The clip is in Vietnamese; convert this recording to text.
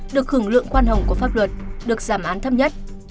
được hưởng lượng khoan hồng của pháp luật được giảm án thấp nhất